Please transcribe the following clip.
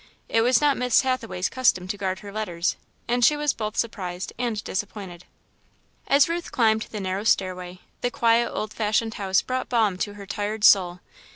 It was not Miss Hathaway's custom to guard her letters and she was both surprised and disappointed. As Ruth climbed the narrow stairway, the quiet, old fashioned house brought balm to her tired soul.